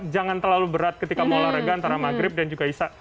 jangan terlalu berat ketika mau olahraga antara maghrib dan juga isya